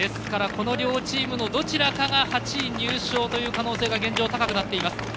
この両チームのどちらかが８位入賞という可能性が現状、高くなっています。